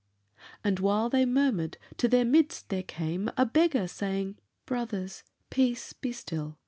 And, while they murmured, to their midst there came A beggar saying, "Brothers, peace, be still!